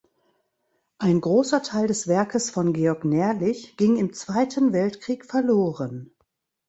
Ein großer Teil des Werkes von Georg Nerlich ging im Zweiten Weltkrieg verloren.